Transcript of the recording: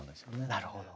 なるほど。